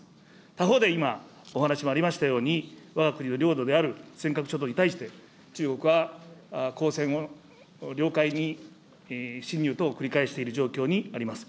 他方で今、お話もありましたように、わが国の領土である尖閣諸島に対して、中国は公船を領海に侵入等を繰り返している状況にあります。